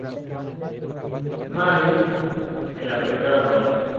Mary’s en la primera ronda.